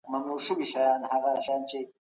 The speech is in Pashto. دولت د بیو د کنټرول لپاره کار کوي.